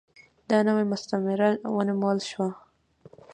دا نوې مستعمره ونومول شوه.